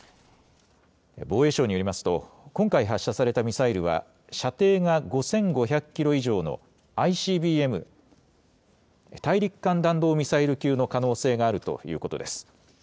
防衛省によりますと、今回、発射されたミサイルは、射程が５５００キロ以上の、ＩＣＢＭ・大陸間弾道ミサイル級の可能性があるということです。